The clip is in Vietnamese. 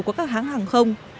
của các hãng hàng không